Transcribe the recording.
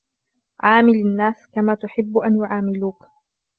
عامل الناس كما تحب أن يعاملوك